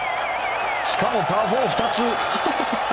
しかもパー４で２つ！